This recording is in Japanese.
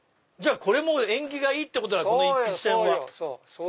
これも縁起がいいってことだこの一筆箋は。